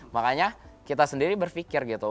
makanya kita sendiri berpikir gitu